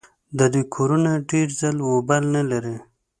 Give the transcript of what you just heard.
د دوی کورونه ډېر ځل و بل نه لري.